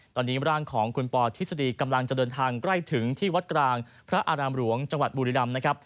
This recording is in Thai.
ตอนนี้ร่างของคุณปอทฤษฎีกำลังจะเดินทางใกล้ถึงที่วัดกลางพระอารามหลวงจังหวัดบุรีรำนะครับ